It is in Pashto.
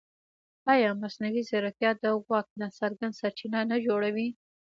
ایا مصنوعي ځیرکتیا د واک ناڅرګند سرچینه نه جوړوي؟